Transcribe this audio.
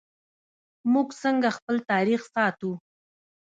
موږ څنګه خپل تاریخ ساتو؟